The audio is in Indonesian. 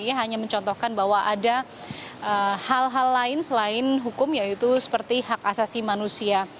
ia hanya mencontohkan bahwa ada hal hal lain selain hukum yaitu seperti hak asasi manusia